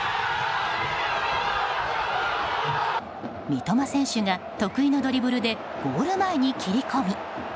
三笘選手が得意のドリブルでゴール前に切り込み。